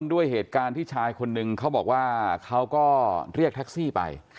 ด้วยเหตุการณ์ที่ชายคนนึงเขาบอกว่าเขาก็เรียกแท็กซี่ไป